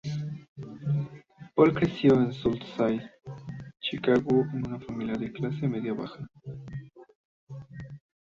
Pool creció en South Side, Chicago en una familia de clase media-baja.